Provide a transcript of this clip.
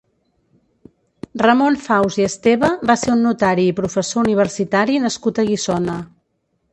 Ramon Faus i Esteve va ser un notari i professor universitari nascut a Guissona.